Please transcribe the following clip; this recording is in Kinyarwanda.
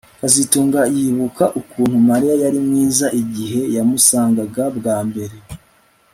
kazitunga yibuka ukuntu Mariya yari mwiza igihe yamusangaga bwa mbere